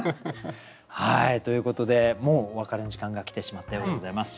ということでもうお別れの時間が来てしまったようでございます。